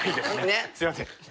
すいません。